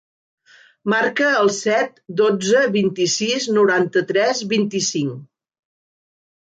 Marca el set, dotze, vint-i-sis, noranta-tres, vint-i-cinc.